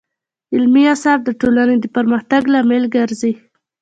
علمي اثار د ټولنې د پرمختګ لامل ګرځي.